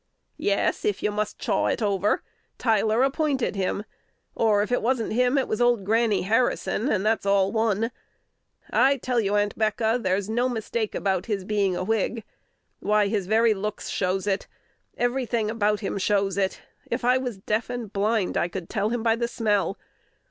"Yes (if you must chaw it over), Tyler appointed him; or, if it wasn't him, it was old Granny Harrison, and that's all one. I tell you, Aunt'Becca, there's no mistake about his being a Whig. Why, his very looks shows it, every thing about him shows it: if I was deaf and blind, I could tell him by the smell.